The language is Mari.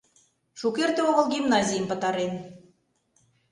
Шукерте огыл гимназийым пытарен...